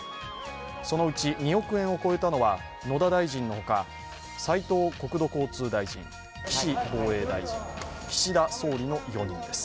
そのうち２億円を超えたのは野田大臣の他斉藤国土交通大臣、岸防衛大臣、岸田総理の４人です。